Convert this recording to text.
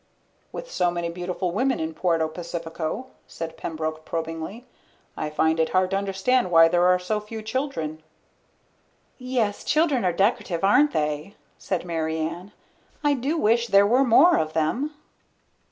"With so many beautiful women in Puerto Pacifico," said Pembroke probingly, "I find it hard to understand why there are so few children." "Yes, children are decorative, aren't they," said Mary Ann. "I do wish there were more of them."